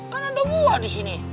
kan ada buah di sini